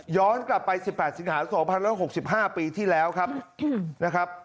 กลับไป๑๘สิงหา๒๐๖๕ปีที่แล้วครับนะครับ